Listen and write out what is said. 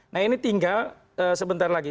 nah ini tinggal sebentar lagi